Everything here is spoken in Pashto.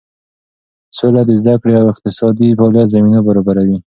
سوله د زده کړې او اقتصادي فعالیت زمینه برابروي.